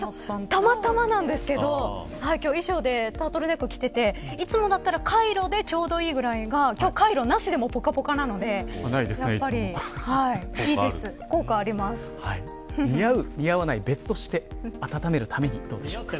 たまたまなんですけど衣装でタートルネック着てていつもだったらカイロでちょうどいいくらいが今日は、カイロなしでもぽかぽかなので似合う、似合わないは別として温めるためにどうでしょうか。